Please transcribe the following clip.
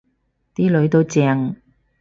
啲囡都正